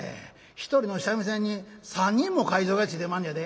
一人の三味線に３人も介添えがついてまんねやで」。